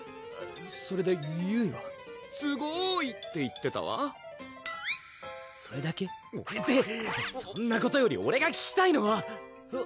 それでゆいは「すごーい」って言ってたわそれだけ？ってそんなことよりオレが聞きたいのは！